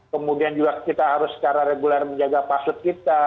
kemudian juga kita harus secara reguler menjaga password kita